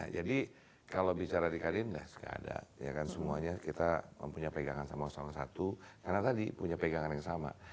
jadi kalau bicara di kalindas gak ada semuanya kita mempunyai pegangan sama sama satu karena tadi punya pegangan yang sama